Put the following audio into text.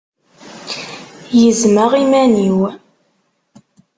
Gezmeɣ iman-iw.